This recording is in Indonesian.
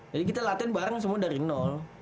jadi kita latihan bareng semua dari nol